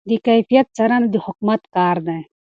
د کیفیت څارنه د حکومت کار دی.